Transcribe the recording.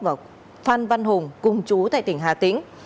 và phan văn hùng cùng chú tại tỉnh hà tĩnh